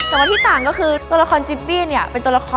แต่ว่าที่ต่างก็คือตัวละครจิปปี้เนี่ยเป็นตัวละคร